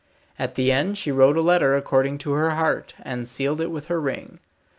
At the end she wrote a letter according to her heart, and sealed it with her ring.